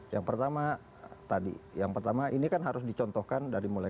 yang pertama tadi yang pertama ini kan harus dicontohkan dari mulai